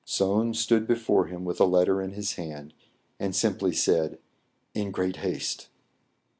Soun stood before him, with a letter in his hand, and simply said, "In great haste."